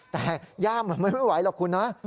แต่ย่ามันไม่ไหวหรอกคุณนะ